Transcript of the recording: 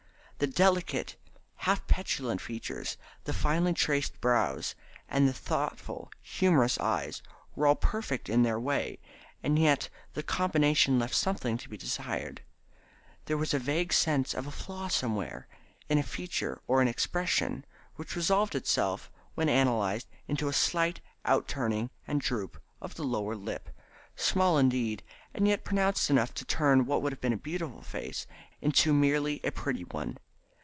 The delicate, half petulant features, the finely traced brows, and the thoughtful, humorous eyes were all perfect in their way, and yet the combination left something to be desired. There was a vague sense of a flaw somewhere, in feature or in expression, which resolved itself, when analysed, into a slight out turning and droop of the lower lip; small indeed, and yet pronounced enough to turn what would have been a beautiful face into a merely pretty one.